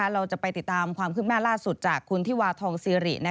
เราจะไปติดตามความคืบหน้าล่าสุดจากคุณธิวาทองซีริ